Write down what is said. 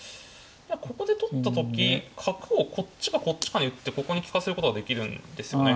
ここで取った時角をこっちかこっちかに打ってここに利かせることができるんですよね。